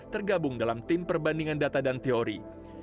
tergabung dalam tim perbandingan data dan teori